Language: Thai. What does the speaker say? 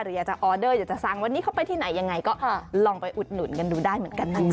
อยากจะออเดอร์อยากจะสั่งวันนี้เขาไปที่ไหนยังไงก็ลองไปอุดหนุนกันดูได้เหมือนกันนะจ๊